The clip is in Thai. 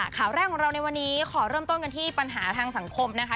ข่าวแรกของเราในวันนี้ขอเริ่มต้นกันที่ปัญหาทางสังคมนะคะ